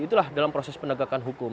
itulah dalam proses penegakan hukum